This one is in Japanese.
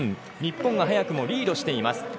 日本が早くもリードしています。